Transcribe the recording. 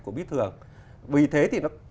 của bíp thường vì thế thì nó